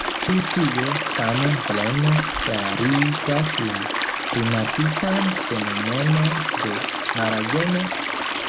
Ĉu tio tamen plene klarigas la rimarkitan fenomenon de malagemo?